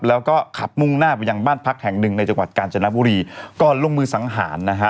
แล้วก็ขับมุ่งหน้าไปยังบ้านพักแห่งหนึ่งในจังหวัดกาญจนบุรีก่อนลงมือสังหารนะฮะ